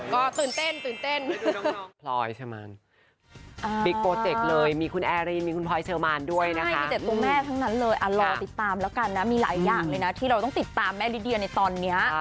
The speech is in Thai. ก็ตื่นเต้น